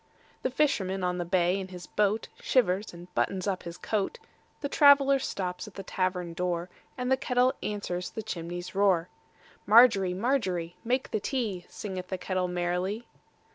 The fisherman on the bay in his boatShivers and buttons up his coat; The traveller stops at the tavern door, And the kettle answers the chimney's roar. Margery, Margery, make the tea, Singeth the kettle merrily.